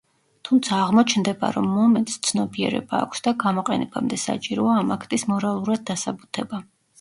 თუმცა აღმოჩნდება, რომ „მომენტს“ ცნობიერება აქვს და გამოყენებამდე საჭიროა ამ აქტის მორალურად დასაბუთება.